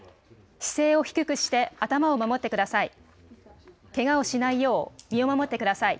姿勢を低くして頭を守ってください。